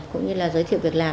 cũng như là giới thiệu việc làm